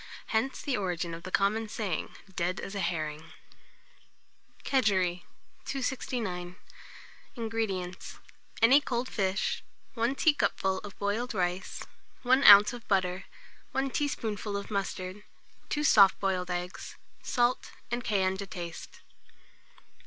Hence the origin of the common saying, "dead as a herring." KEGEREE. 269. INGREDIENTS. Any cold fish, 1 teacupful of boiled rice, 1 oz. of butter, 1 teaspoonful of mustard, 2 soft boiled eggs, salt and cayenne to taste.